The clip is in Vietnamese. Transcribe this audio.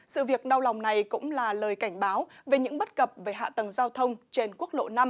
sự việc đau lòng này cũng là lời cảnh báo về những bất cập về hạ tầng giao thông trên quốc lộ năm